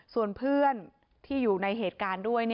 ส่วนเพื่อนที่อยู่ในเหตุการณ์ด้วย